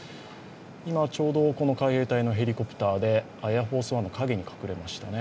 今ちょうどこの海兵隊のヘリコプターでエアフォースワンの影に隠れましたね。